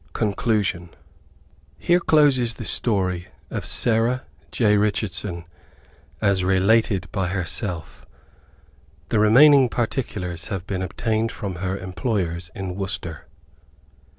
CONCLUSION. Here closes the history of Sarah J. Richardson, as related by herself. The remaining particulars have been obtained from her employers in Worcester.